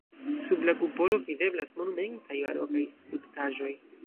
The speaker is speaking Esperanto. Sub la kupolo videblas monumentaj barokaj skulptaĵoj.